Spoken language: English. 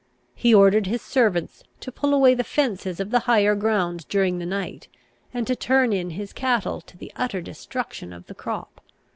He ordered his servants to pull away the fences of the higher ground during the night, and to turn in his cattle, to the utter destruction of the crop.